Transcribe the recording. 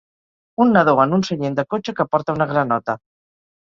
un nadó en un seient de cotxe que porta una granota